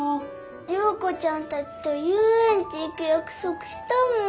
リョーコちゃんたちとゆうえんち行くやくそくしたもん。